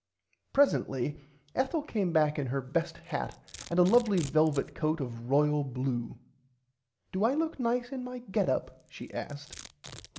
Presently Ethel came back in her best hat and a lovly velvit coat of royal blue. Do I look nice in my get up she asked.